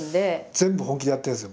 全部本気でやってるんですよ